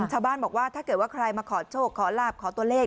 ชาวบ้านบอกว่าถ้าเกิดว่าใครมาขอโชคขอลาบขอตัวเลข